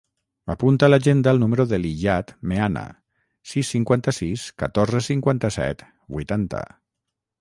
Apunta a l'agenda el número de l'Iyad Meana: sis, cinquanta-sis, catorze, cinquanta-set, vuitanta.